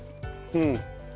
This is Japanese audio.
うん。